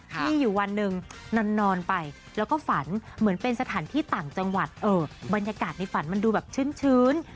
มีอยู่วันหนึ่งนอนไปแล้วก็ฝันเหมือนเป็นสถานที่ต่างจังหวัดบรรยากาศในฝันมันดูแบบชื้น